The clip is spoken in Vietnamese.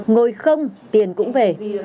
ngồi không tiền cũng về